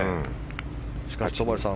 しかし戸張さん